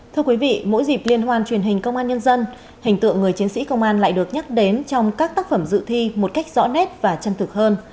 thưa quý vị mỗi dịp liên hoan truyền hình công an nhân dân hình tượng người chiến sĩ công an lại được nhắc đến trong các tác phẩm dự thi một cách rõ nét và chân thực hơn